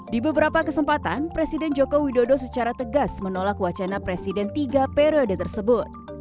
di beberapa kesempatan presiden joko widodo secara tegas menolak wacana presiden tiga periode tersebut